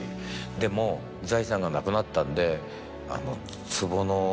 でもう財産がなくなったんで。